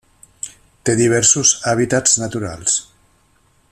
Té diversos hàbitats naturals.